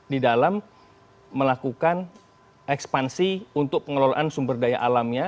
di dalam melakukan ekspansi untuk pengelolaan sumber daya alamnya